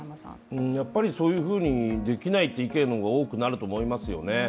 やっぱりそういうふうにできないという意見の方が多くなると思いますよね。